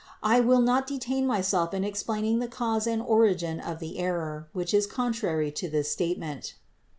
I will not detain myself in explaining the cause and origin of the error, which is contrary to this statement.